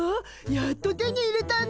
やっと手に入れたの。